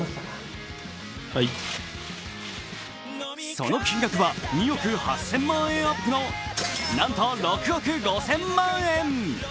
その金額は２億８０００万円アップのなんと６億５０００万円。